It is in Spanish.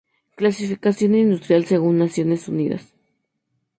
Clasificación industrial según Naciones Unidas